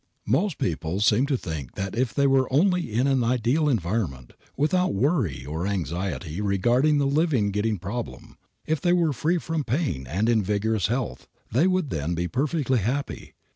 Most people seem to think that if they were only in an ideal environment, without worry or anxiety regarding the living getting problem, if they were free from pain and in vigorous health, they would then be perfectly happy.